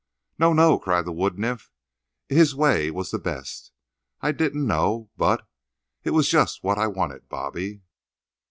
"No, no," cried the wood nymph, "his way was the best. I didn't know, but—it was just what I wanted, Bobby."